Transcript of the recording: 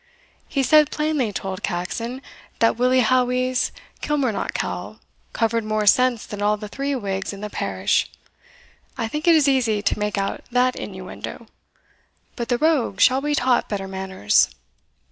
He said plainly to old Caxon, that Willie Howie's Kilmarnock cowl covered more sense than all the three wigs in the parish I think it is easy to make out that inuendo But the rogue shall be taught better manners."